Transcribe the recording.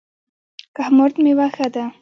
کهمرد میوه ښه ده؟